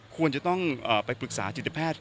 ควรจะต้องไปปรึกษาจิตแพทย์